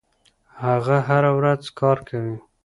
هغه هره ورځ کار کوي.